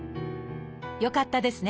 よかったですね！